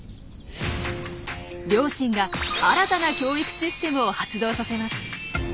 両親が新たな教育システムを発動させます。